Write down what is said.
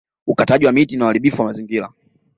Ukataji wa miti ni uharibifu wa mazingira